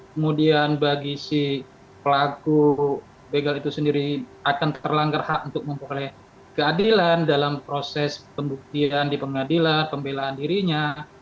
kemudian bagi si pelaku begal itu sendiri akan terlanggar hak untuk memperoleh keadilan dalam proses pembuktian di pengadilan pembelaan dirinya